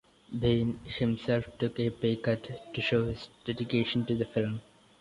Biehn himself took a pay cut to show his dedication to the film.